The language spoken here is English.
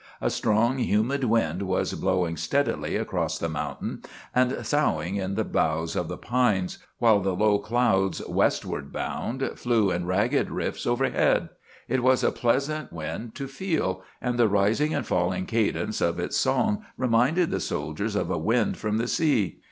A strong, humid wind was blowing steadily across the mountain and soughing in the boughs of the pines, while the low clouds, westward bound, flew in ragged rifts overhead. It was a pleasant wind to feel, and the rising and falling cadence of its song reminded the soldiers of a wind from the sea.